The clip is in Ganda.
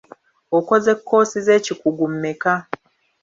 Okoze kkoosi z'ekikugu mmeka?